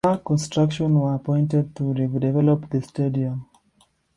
Barr Construction were appointed to redevelop the stadium.